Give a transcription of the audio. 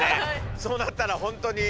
そうなったらほんとに。